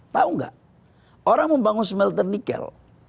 tahu nggak orang membangun smelter nikel